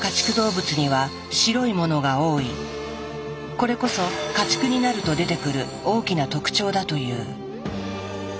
これこそ家畜になると出てくる大きな特徴だという。